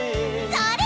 それ！